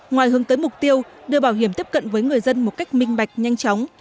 ngoài hướng tới mục tiêu đưa bảo hiểm tiếp cận với người dân một cách minh bạch nhanh chóng